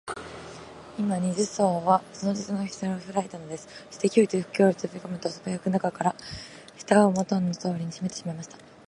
今、二十面相は、その鉄のふたをひらいたのです。そして、ヒョイとそこへとびこむと、すばやく中から、ふたをもとのとおりにしめてしまいました。